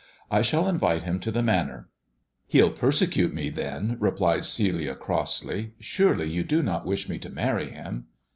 I shall invite him to the Manor." "He'll persecute me, then," replied Celia crossly. "Surely you do not wish me to marry him."